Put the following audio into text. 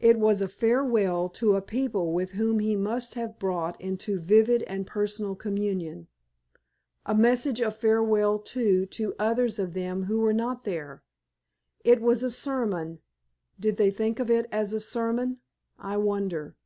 It was a farewell to a people with whom he must have been brought into vivid and personal communion, a message of farewell, too, to others of them who were not there. It was a sermon did they think of it as a sermon, I wonder?